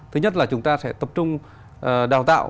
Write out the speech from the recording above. thứ nhất là chúng ta sẽ tập trung đào tạo